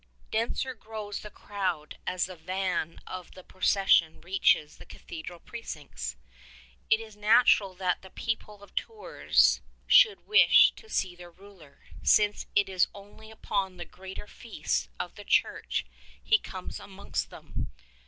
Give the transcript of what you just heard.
Denser grows the crowd as the van of the procession reaches the cathedral precincts. It is natural that the people of Tours should wish to see their ruler, since it is only upon the greater feasts of the Church he comes amongst them.